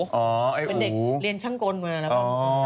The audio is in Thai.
เป็นเด็กเรียนช่างกลดไงล่ะค่ะ